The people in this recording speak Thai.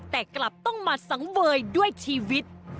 แต่กลับต้องมาสังเวยด้วยชีวิต